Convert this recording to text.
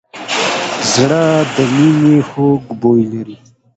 زړه د مینې خوږ بوی لري.